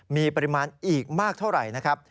มีปริมาณอีกมากเท่าไหร่นะครับ